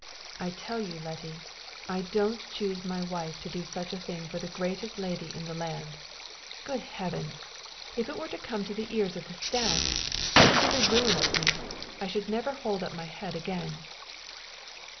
"I tell you, Letty, I don't choose my wife to do such a thing for the greatest lady in the land! Good Heavens! if it were to come to the ears of the staff! It would be the ruin of me! I should never hold up my head again!"